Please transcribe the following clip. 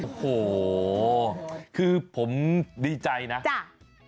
โอ้โหคือผมดีใจนะจ้ะ